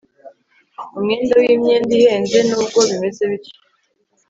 umwenda wimyenda ihenze. nubwo bimeze bityo